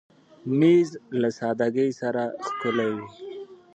مېز له سادګۍ سره ښکلی وي.